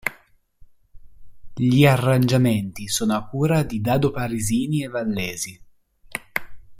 Gli arrangiamenti sono a cura di Dado Parisini e Vallesi.